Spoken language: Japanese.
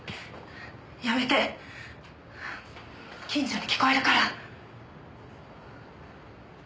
やめて近所に聞こえるから。